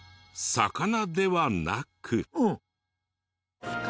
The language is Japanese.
魚ではなく？